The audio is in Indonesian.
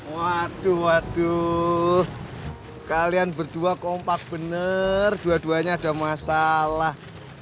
waduh waduh kalian berdua kompak benar dua duanya ada masalah